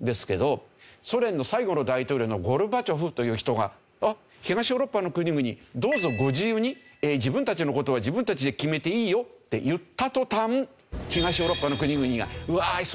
ですけどソ連の最後の大統領のゴルバチョフという人が東ヨーロッパの国々どうぞご自由に自分たちの事は自分たちで決めていいよって言った途端東ヨーロッパの国々がわーい！